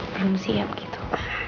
belum siap gitu